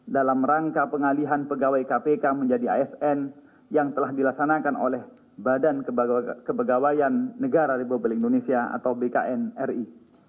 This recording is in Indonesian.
dalam rangka pengalihan pegawai kpk menjadi asn yang telah dilaksanakan oleh badan kepegawaian negara republik indonesia atau bknri